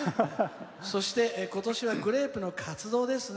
「そして、今年はグレープの活動ですね。